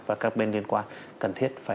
và các bên liên quan cần thiết phải